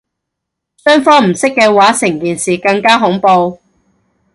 雙方唔識嘅話成件事更加恐怖